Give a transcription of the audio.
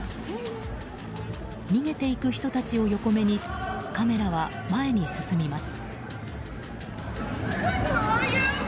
逃げていく人たちを横目にカメラは前に進みます。